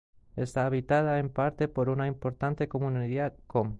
Está habitada en parte por una importante comunidad qom.